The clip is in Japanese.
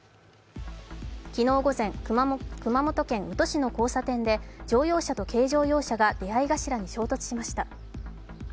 昨日午前、熊本県宇土市の交差点で乗用車と軽乗用車が出会い頭に衝突しました。